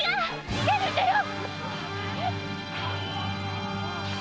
逃げるんだよ！